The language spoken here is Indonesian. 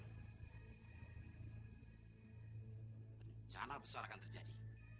pencana besar akan terjadi